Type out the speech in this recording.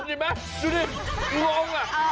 นี่ไหมดูนี่งงอ่ะ